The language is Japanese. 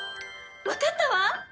わかったわ！